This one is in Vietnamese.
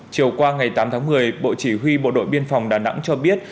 chiều qua ngày tám tháng một mươi bộ chỉ huy bộ đội biên phòng đà nẵng cho biết